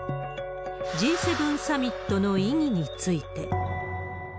Ｇ７サミットの意義について。